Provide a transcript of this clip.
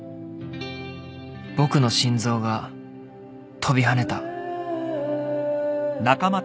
［僕の心臓が飛び跳ねた］